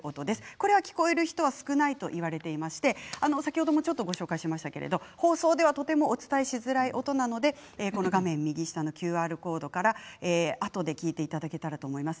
これが聞こえる人は少ないと言われていまして先ほどもご紹介しましたが放送ではお伝えしづらい音なので画面右下のＱＲコードからあとで聞いていただけたらと思います。